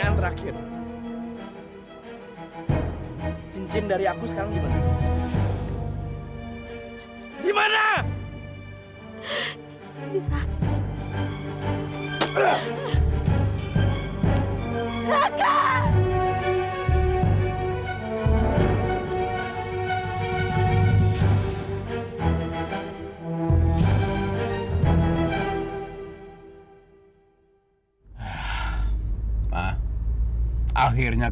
sampai jumpa di video selanjutnya